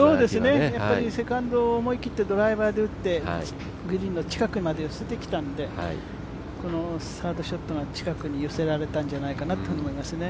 やっぱりセカンド、思い切ってドライバーで打ってグリーンの近くまで寄せてきたんで、このサードショットが近くに寄せられたんじゃないかなって思いますね。